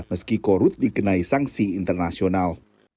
meski korut dikenai sanksi internasional